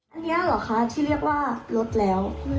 อันนี้เหรอคะที่เรียกว่าลดแล้ว